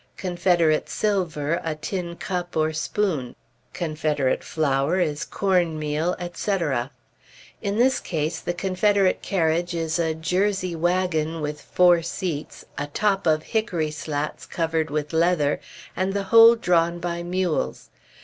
Confederate silver, a tin cup or spoon. Confederate flour is corn meal, etc. In this case the Confederate carriage is a Jersey wagon with four seats, a top of hickory slats covered with leather, and the whole drawn by mules.